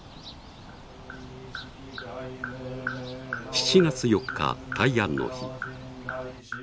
７月４日大安の日。